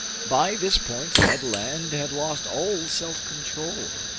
By this point Ned Land had lost all self control.